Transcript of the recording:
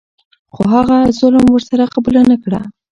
خو هغه ظلم ور سره قبوله نه کړه.